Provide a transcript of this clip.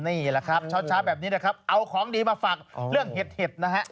นี่แหละครับเช้าแบบนี้นะครับเอาของดีมาฝากเรื่องเห็ดนะฮะ